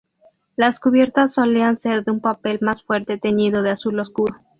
Las cubiertas solían ser de un papel más fuerte teñido de azul oscuro.